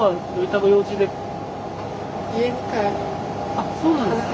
あっそうなんですか。